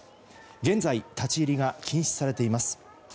現在立ち入りが禁止されています。